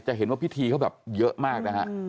เห็นว่าพิธีเขาแบบเยอะมากนะฮะ